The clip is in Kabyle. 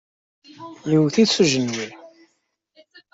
Yewwet-it s ujenwi.